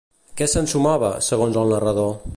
Què s'ensumava, segons el narrador?